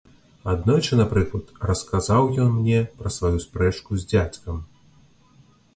Аднойчы, напрыклад, расказаў ён мне пра сваю спрэчку з дзядзькам.